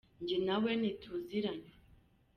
nge nawe ntituziranye?